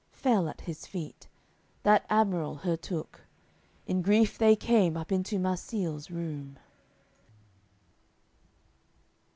Fell at his feet, that admiral her took. In grief they came up into Marsile's room.